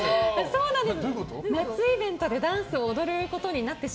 そうなんです。